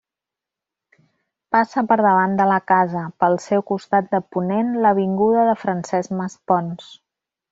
Passa per davant de la casa, pel seu costat de ponent, l'avinguda de Francesc Masponç.